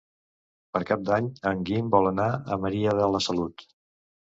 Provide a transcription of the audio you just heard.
Per Cap d'Any en Guim vol anar a Maria de la Salut.